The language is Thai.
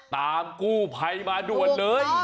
ตามกู้ภัยมาด่วนเลย